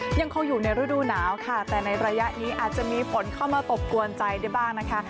ยังคงอยู่ในฤดูหนาวค่ะแต่ในระยะนี้อาจจะมีฝนเข้ามาตกกวนใจได้บ้างนะคะ